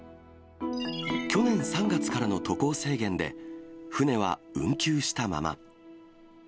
去年３月からの渡航制限で、船は運休したまま。